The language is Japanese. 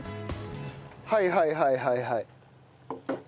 はいはいはいはいはい。